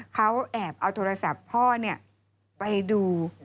เขาแอบเอาโทรศัพท์พ่อไปดู